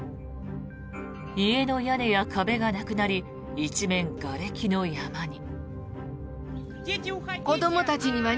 家の屋根や壁がなくなり一面、がれきの山に。